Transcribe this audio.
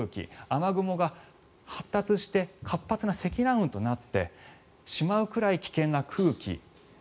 雨雲が発達して活発な積乱雲となってしまうくらい危険な空気